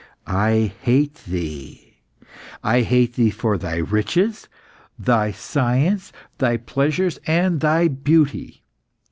I hate thee! I hate thee for thy riches, thy science, thy pleasures, and thy beauty.